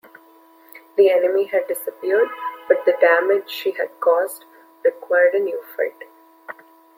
The enemy had disappeared, but the damage she had caused required a new fight.